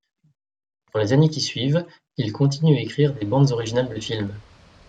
Dans les années qui suivent, il continue à écrire des bandes originales de films.